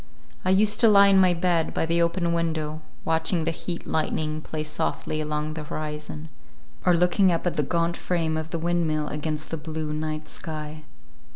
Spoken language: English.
I used to lie in my bed by the open window, watching the heat lightning play softly along the horizon, or looking up at the gaunt frame of the windmill against the blue night sky.